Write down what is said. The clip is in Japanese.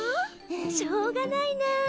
しょうがないなあ。